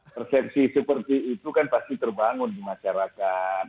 persepsi seperti itu kan pasti terbangun di masyarakat